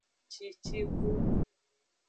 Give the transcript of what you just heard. Cicigu.